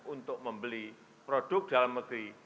untuk membeli produk dalam negeri